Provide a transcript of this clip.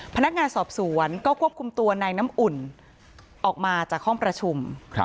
พนักงานสอบสวนก็ควบคุมตัวในน้ำอุ่นออกมาจากห้องประชุม